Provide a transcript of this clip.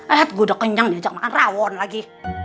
eh gue udah kenyang diajak makan rawon lagi